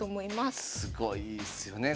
すごいですよね。